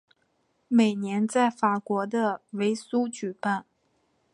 每年在法国的维苏举办。